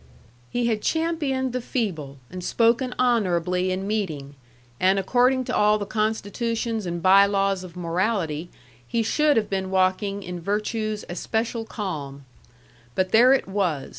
He had championed the feeble, and spoken honorably in meeting, and according to all the constitutions and by laws of morality, he should have been walking in virtue's especial calm. But there it was!